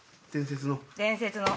伝説の。